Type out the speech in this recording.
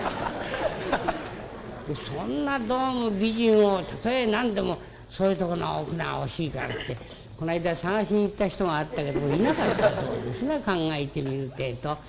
そんなどうも美人をたとえ何でもそういうとこのお札が欲しいからってこないだ探しに行った人があったけどもいなかったそうですな考えてみるってえと。